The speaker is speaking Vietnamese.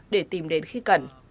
để tìm đến khi cần